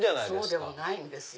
そうでもないんですよ。